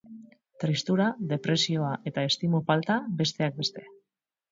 Tristura, depresioa eta autoestimu falta, besteak beste.